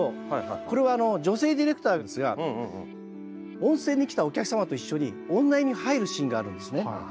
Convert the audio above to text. これは女性ディレクターですが温泉に来たお客様と一緒に女湯に入るシーンがあるんですね。